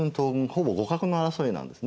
ほぼ互角の争いなんですね。